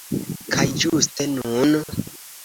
Kaj ĝuste nun!